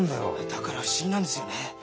だから不思議なんですよね。